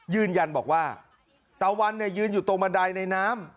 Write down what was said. ยืนยันบอกว่าตะวันเนี่ยยืนอยู่ตรงบันไดในน้ำ